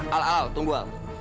al al tunggu al